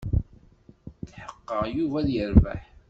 Tḥeqqeɣ Yuba ad yerbeḥ.